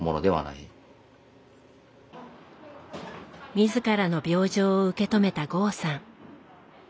自らの病状を受け止めた剛さん。